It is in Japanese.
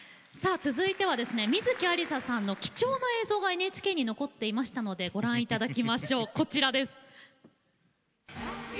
続いては観月さんの貴重な映像がＮＨＫに残っていましたのでご覧ください。